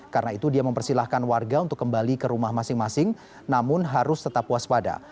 karena itu dia mempersilahkan warga untuk kembali ke rumah masing masing namun harus tetap puas pada